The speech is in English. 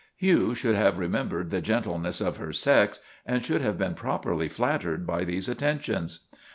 Hugh should have remembered the gentle ness of her sex and should have been properly flat tered by these attentions.